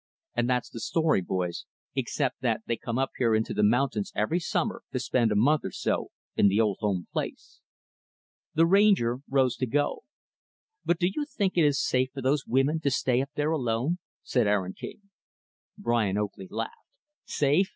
And that's the story, boys, except that they come up here into the mountains, every summer, to spend a month or so in the old home place." The Ranger rose to go. "But do you think it is safe for those women to stay up there alone?" asked Aaron King. Brian Oakley laughed. "Safe!